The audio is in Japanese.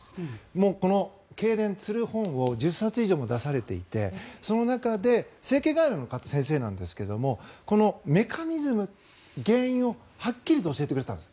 このけいれん、つる本を１０冊以上も出されていてその中で整形外来の先生なんですけどもこのメカニズム、原因をはっきりと教えてくれたんです。